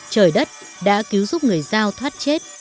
trời đất đã cứu giúp người giao thoát chết